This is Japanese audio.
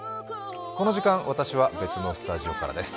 この時間、私は別のスタジオからです。